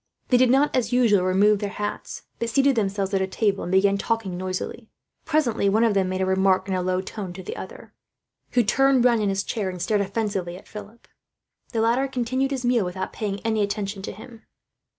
They did not, as usual, remove their hats; but seated themselves at a table, and began talking noisily. Presently one made a remark in a low tone to the other, who turned round in his chair, and stared offensively at Philip. The latter continued his meal, without paying any attention to him.